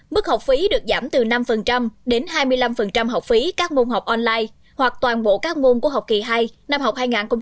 mức học phí được giảm từ năm đến hai mươi năm học phí các môn học online hoặc toàn bộ các môn của học kỳ hai năm học hai nghìn một mươi chín hai nghìn hai mươi